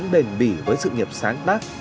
bền bỉ với sự nghiệp sáng tác